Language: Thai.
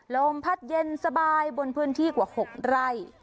ลมพัดเย็นสบายบนพื้นที่กว่า๖ไร่